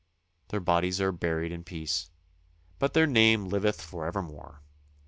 Their bodies are buried in peace; but their name liveth forevermore.